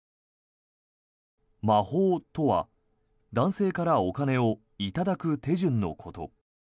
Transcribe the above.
魔法とは男性からお金を頂く手順のこと。